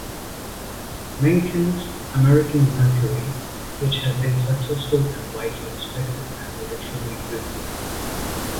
Mencken's "American Mercury", which had been successful and widely respected as a literary review.